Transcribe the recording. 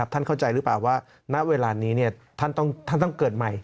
ท่านเข้าใจหรือเปล่าว่าณเวลานี้ท่านต้องเกิดใหม่